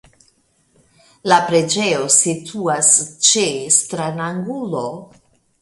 La preĝejo situas ĉe stranangulo.